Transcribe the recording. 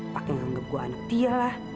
pakai nganggep gua anak dialah